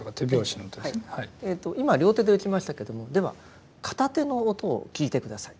それでは今両手で打ちましたけどもでは片手の音を聞いて下さい。